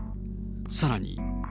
さらに。